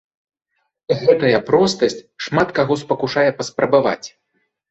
Гэтая простасць шмат каго спакушае паспрабаваць.